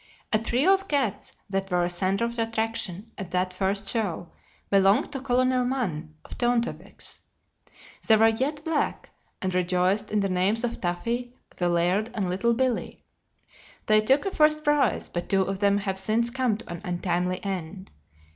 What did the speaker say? A trio of cats that were a centre of attraction at that first show belonged to Colonel Mann, of Town Topics. They were jet black, and rejoiced in the names of Taffy, The Laird, and Little Billee. They took a first prize, but two of them have since come to an untimely end.